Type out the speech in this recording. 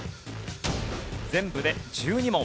全部で１２問。